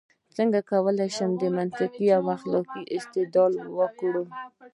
څنګه کولای شو منطقي او اخلاقي استدلال وکړو؟